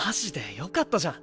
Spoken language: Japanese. よかったじゃん。